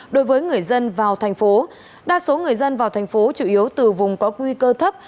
đối với người dân vào thành phố đa số người dân vào thành phố chủ yếu từ vùng có nguy cơ thấp